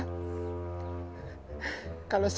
kalau se semisal kasih maafkan betta pun kesalahan